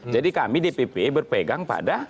kami dpp berpegang pada